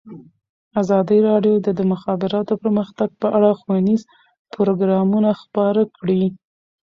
ازادي راډیو د د مخابراتو پرمختګ په اړه ښوونیز پروګرامونه خپاره کړي.